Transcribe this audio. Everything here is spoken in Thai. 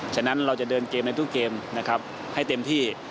ฉะนั้นเราจะเดินเกมในทุกเกมนะครับให้เต็มที่